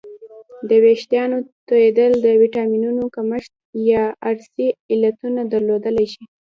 د وېښتانو تویدل د ویټامینونو کمښت یا ارثي علتونه درلودلی شي